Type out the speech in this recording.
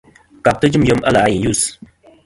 Kabtɨ jɨm yem a lè' a i yus.